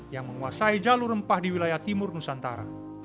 yang menguasai jalur rempah di wilayah timur nusantara